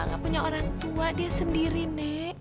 gak punya orang tua dia sendiri nek